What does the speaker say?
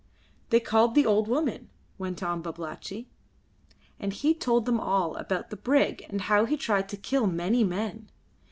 "They called the old woman," went on Babalatchi, "and he told them all about the brig, and how he tried to kill many men.